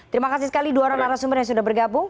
terima kasih sekali dua orang narasumber yang sudah bergabung